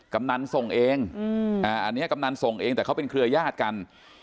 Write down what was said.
กำนันส่งเองอันนี้กำนันส่งเองแต่เขาเป็นเครือญาติกัน